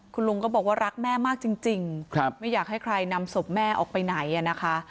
คุณลุงก็บอกว่ารักแม่มากจริงไม่อยากให้ใครนำศพแม่ออกไปไหนนะคะ